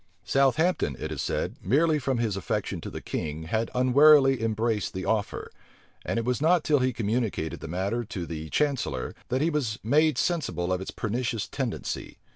* Journals, vol. viii. p. 24 Southampton, it is said, merely from his affection to the king, had unwarily embraced the offer; and it was not till he communicated the matter to the chancellor, that he was made sensible of its pernicious tendency.